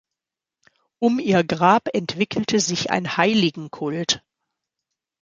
Um ihr Grab entwickelte sich ein Heiligenkult.